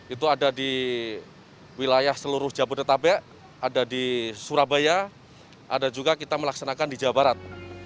itu ada di wilayah seluruh jabodetabek ada di surabaya ada juga kita melaksanakan di jawa barat